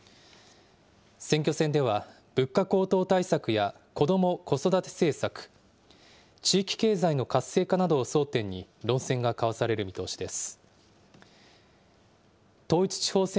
選挙戦では、物価高騰対策やこども・子育て政策、地域経済の活性化などを争点に論戦が交わされる見通しです。